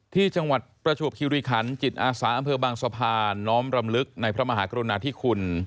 ที่จังหวัดประจวบคิริคันจิตอาสาอำเภอบางสะพานน้อมรำลึกในพระมหากรุณาธิคุณ